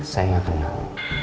saya gak kenal